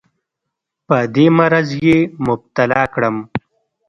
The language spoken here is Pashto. په دې مرض یې مبتلا کړم.